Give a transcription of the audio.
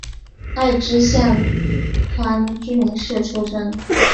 爱知县蒲郡市出身。